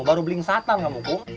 baru blingsatan kamu kum